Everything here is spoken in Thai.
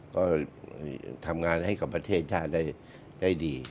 ก็ทำงานให้กับประเทศชาติได้ดี